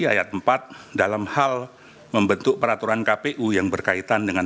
ayat empat dalam hal membentuk peraturan kpu yang berkaitan dengan